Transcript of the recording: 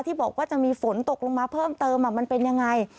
ที่บอกว่าจะมีฝนตกลงมาเพิ่มเติมมันเป็นยังไง